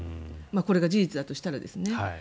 これが事実だとしたらですね。